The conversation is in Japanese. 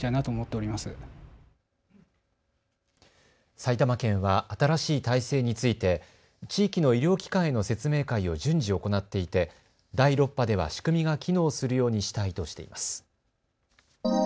埼玉県は新しい体制について地域の医療機関への説明会を順次行っていて第６波では仕組みが機能するようにしたいとしています。